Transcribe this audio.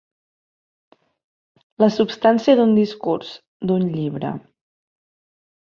La substància d'un discurs, d'un llibre.